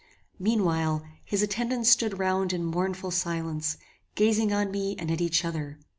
Meanwhile, his attendants stood round in mournful silence, gazing on me and at each other.